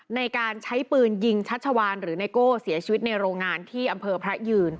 ในการใช้ปืนยิงชัชวานหรือไนโก้เสียชีวิตในโรงงานที่อำเภอพระยืน